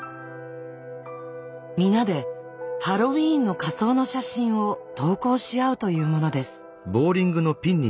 皆でハロウィーンの仮装の写真を投稿しあうというものです。